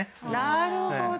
なるほど。